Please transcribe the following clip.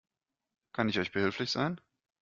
Kann ich euch behilflich sein?